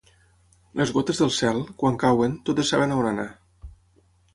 Les gotes del cel, quan cauen, totes saben on anar.